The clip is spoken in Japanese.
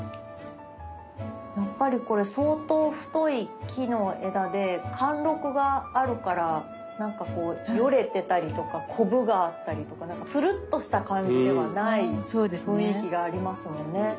やっぱりこれ相当太い木の枝で貫禄があるから何かこうよれてたりとかコブがあったりとか何かツルッとした感じではない雰囲気がありますよね。